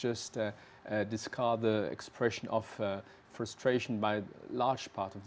juga para pemimpin yang mengembang ke eropa